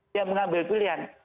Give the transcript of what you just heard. dia mengambil pilihan